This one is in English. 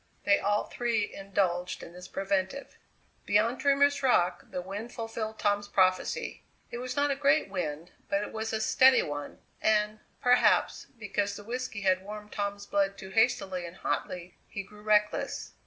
They all three indulged in this preventive. Beyond Dreamer's Rock the wind fulfilled Tom's prophecy; it was not a great wind, but it was a steady one, and, perhaps, because the whisky had warmed Tom's blood too hastily and hotly, he grew reckless.